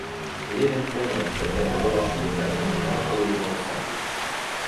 Левин понял, что это была шутка, но не мог улыбнуться.